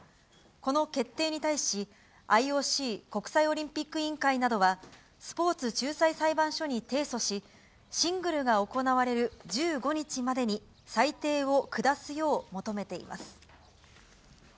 この決定に対し、ＩＯＣ・国際オリンピック委員会などは、スポーツ仲裁裁判所に提訴し、シングルが行われる１５日までに裁定を下すよう求めています。